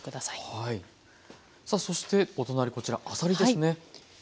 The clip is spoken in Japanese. さあそしてお隣こちらあさりですね。